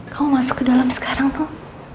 kamu masuk ke dalam sekarang nono